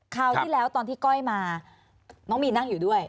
คราวที่แล้วตอนที่ก้อยมาน้องมีนนั่งอยู่ด้วย